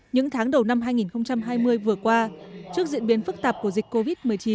những tháng đầu năm hai nghìn hai mươi vừa qua trước diễn biến phức tạp của dịch covid một mươi chín